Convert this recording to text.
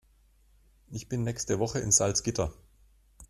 Ich bin nächste Woche in Salzgitter